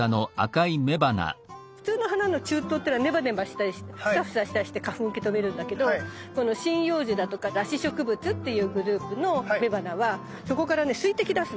普通の花の柱頭ってネバネバしたりしてフサフサしたりして花粉を受け止めるんだけどこの針葉樹だとか裸子植物っていうグループの雌花はそこからね水滴出すの。